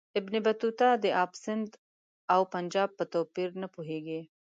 ابن بطوطه د آب سند او پنجاب په توپیر نه پوهیږي.